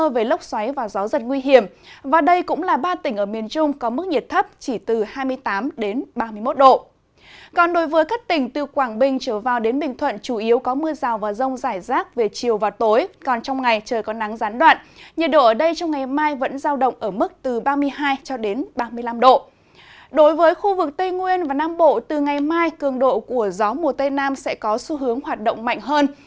với khu vực tây nguyên và nam bộ từ ngày mai cường độ của gió mùa tây nam sẽ có xu hướng hoạt động mạnh hơn